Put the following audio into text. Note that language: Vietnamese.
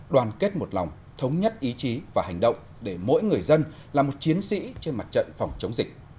đoàn kết một lòng thống nhất ý chí và hành động để mỗi người dân là một chiến sĩ trên mặt trận phòng chống dịch